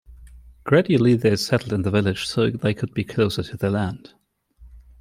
Gradually they settled in the village so they could be closer to their land.